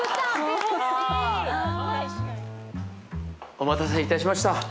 お待たせいたしました。